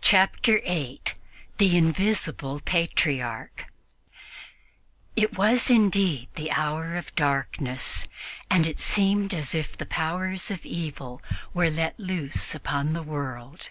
Chapter 8 THE INVISIBLE PATRIARCH IT was indeed the hour of darkness, and it seemed as if the powers of evil were let loose upon the world.